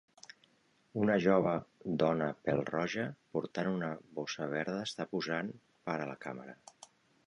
Una jove dona pèl-roja portant una bossa verda està posant per a la càmera.